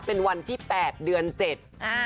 เป็นวันที่แปดเดือนเจ็ด